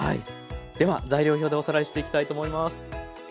では材料表でおさらいしていきたいと思います。